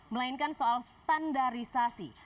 melainkan soal standarisasi